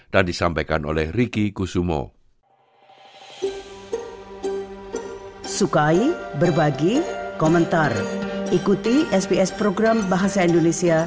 dan disampaikan oleh riki kusumo